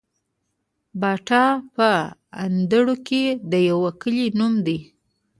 باټا په اندړو کي د يو کلي نوم دی